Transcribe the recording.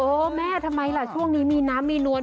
แม่ทำไมล่ะช่วงนี้มีน้ำมีนวล